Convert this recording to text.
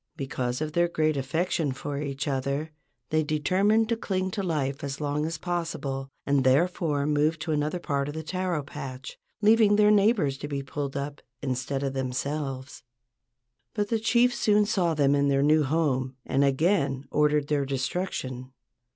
Because of their great affection for each other they determined to cling to life as long as possible, and therefore moved to another part of the taro patch, leaving their neighbors to be pulled up instead of themselves. But the chief soon saw them in their new home and again ordered their destruction.